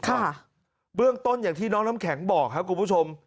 ค่ะเบื้องต้นอย่างที่น้องน้ำแข็งบอกครับคุณผู้ชม